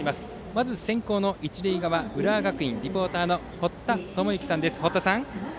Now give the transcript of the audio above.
まず先攻の一塁側、浦和学院堀田智之さんです。